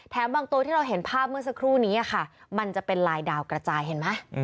บางตัวที่เราเห็นภาพเมื่อสักครู่นี้ค่ะมันจะเป็นลายดาวกระจายเห็นไหม